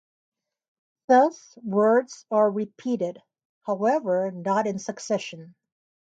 Thus, words are repeated, however not in succession.